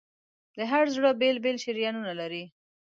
د هر زړه بېل بېل شریانونه لري.